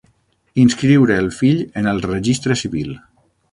Inscriure el fill en el registre civil.